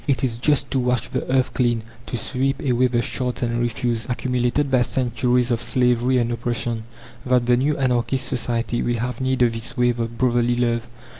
It is just to wash the earth clean, to sweep away the shards and refuse, accumulated by centuries of slavery and oppression, that the new anarchist society will have need of this wave of brotherly love.